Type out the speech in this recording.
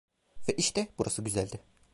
Ve işte burası güzeldi.